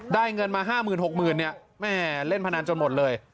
ได้เงินมาห้าหมื่นหกหมื่นเนี่ยแม่เล่นพนันจนหมดเลย